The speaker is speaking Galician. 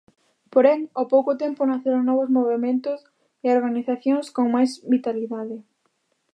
Porén, ao pouco tempo naceron novos movementos e organizacións con máis vitalidade.